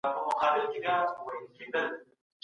احمد شاه ابدالي څنګه د اړیکو پراختیا ته دوام ورکړ؟